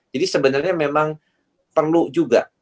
jadi sebenarnya memang perlu juga